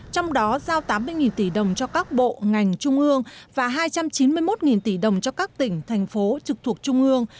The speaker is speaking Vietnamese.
trong đó giao tám mươi tỷ đồng cho các bộ ngành trung ương và hai trăm chín mươi một tỷ đồng cho các tỉnh thành phố trực thuộc trung ương